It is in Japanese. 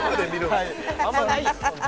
あんまないですもんね